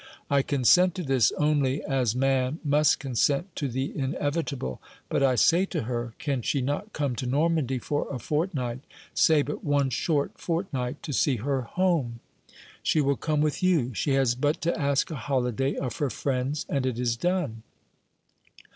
I consent to this only as man must consent to the inevitable; but I say to her, can she not come to Normandy for a fortnight say but one short fortnight to see her home? She will come with you. She has but to ask a holiday of her friends, and it is done."